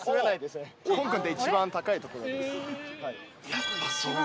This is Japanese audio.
やっぱそう。